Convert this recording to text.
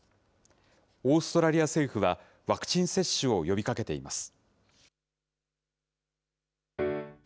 オーストラリア政府は、ワクチン接種を呼びかけています。